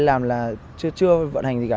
làm là chưa vận hành gì cả